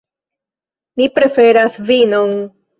Mi preferas vinon.